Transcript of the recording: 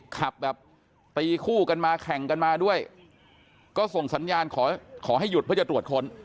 ขับแบบตีคู่กันมาแข่งกันมาด้วยก็ส่งสัญญาณขอให้หยุดเพื่อจะตรวจค้น